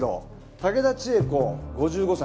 竹田千恵子５５歳。